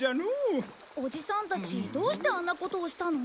おじさんたちどうしてあんなことをしたの？